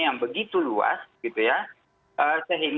dan juga untuk menghadapi ancaman hibrida yang terhadap perang